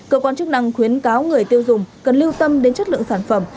cơ quan chức năng khuyến cáo người tiêu dùng cần lưu tâm đến chất lượng sản phẩm